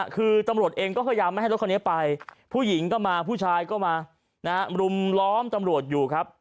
คือตำรวจเองก็พยายามไม่ให้รถคันนี้ไปผู้หญิงก็มาผู้ชายก็มานะฮะรุมล้อมตำรวจอยู่ครับ